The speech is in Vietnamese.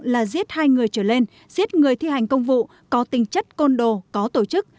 là giết hai người trở lên giết người thi hành công vụ có tính chất côn đồ có tổ chức